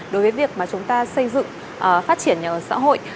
đối với việc mà chúng ta xây dựng phát triển nhà ở xã hội